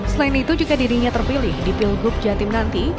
selain itu juga dirinya terpilih di pilgrub jatimnanti